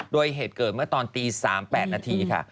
โดยเหตุเกิดเมื่อตอนตี๓๘นาทีค่ะ